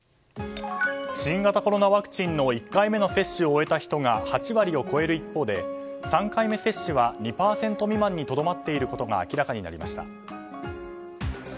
新型コロナワクチンの１回目の接種を終えた人が８割を超える一方で３回目接種は２％にとどまっていることが明らかになりました。